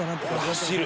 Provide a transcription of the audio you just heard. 「走る！」